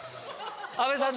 阿部さん